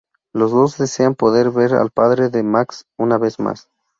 Los dos desean poder ver al padre de Max una vez más.